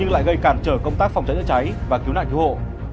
lại gây cản trở công tác phòng cháy chữa cháy và cứu nạn cứu hộ